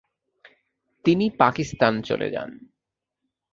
তিনি পাকিস্তান চলে যান।